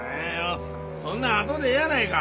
そんなん後でええやないか。